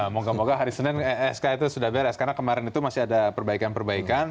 moga moga hari senin sk itu sudah beres karena kemarin itu masih ada perbaikan perbaikan